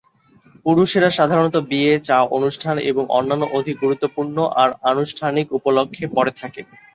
পুরুষেরা সাধারণত বিয়ে, চা অনুষ্ঠান এবং অন্যান্য অধিক গুরুত্বপূর্ণ আর আনুষ্ঠানিক উপলক্ষ্যে পড়ে থাকে।